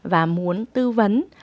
và muốn tư vấn